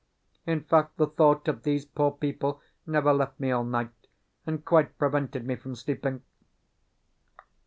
In fact, the thought of these poor people never left me all night, and quite prevented me from sleeping.